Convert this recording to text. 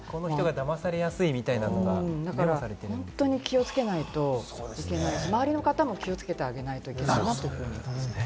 この人がだまされやすいとい本当に気をつけなきゃいけないし、周りの方も気をつけてあげないといけない。